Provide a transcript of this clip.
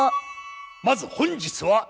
まず本日は。